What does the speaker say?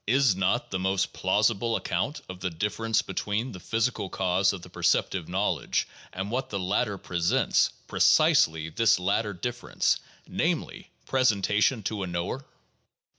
Is not the most plausible account of the difference between the physical cause of the percep tive knowledge and what the latter presents precisely this latter difference — namely, presentation to a knower?